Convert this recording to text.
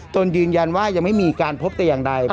ตนยืนยันว่ายังไม่มีการพบแต่อย่างใด